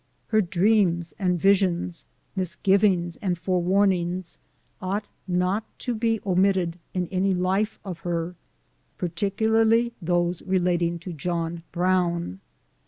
Her dreams and visions, misgivings and fore warnings, ought not to be omitted in any life of her, particularly those re lating to John Brown.